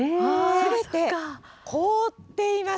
すべて凍っています。